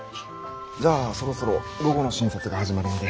じゃあそろそろ午後の診察が始まるので。